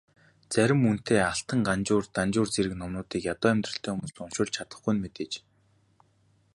Зарим үнэтэй Алтан Ганжуур, Данжуур зэрэг номуудыг ядуу амьдралтай хүмүүс уншуулж чадахгүй нь мэдээж.